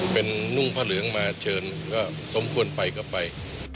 เป็นนุ่งพระเหลืองมาเชิญก็สมควรไปก็ไป